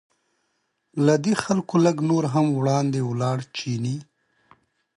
له دې خلکو لږ نور هم وړاندې ولاړ چیني.